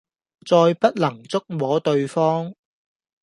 再不能觸摸對方